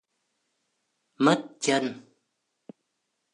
Mất chân